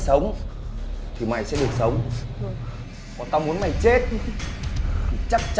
con mày đang chờ đấy